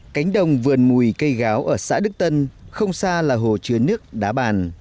cánh đồng vườn mùi cây gáo ở xã đức tân không xa là hồ chứa nước đá bàn